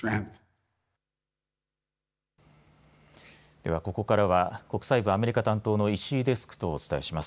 ではここからは国際部アメリカ担当の石井デスクとお伝えします。